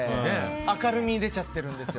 明るみに出ちゃってるんですよ。